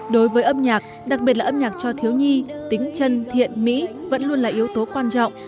đối với âm nhạc đặc biệt là âm nhạc cho thiếu nhi tính chân thiện mỹ vẫn luôn là yếu tố quan trọng